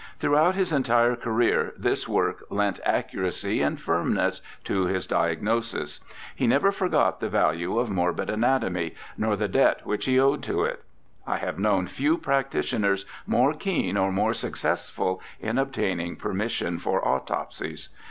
Throughout his entire career this work lent accuracy and firmness to his diagnosis. He never forgot the value of morbid anatomy, nor the debt which he owed to it. I have known few practitioners more keen (or more successful) in obtaining permission for autopsies.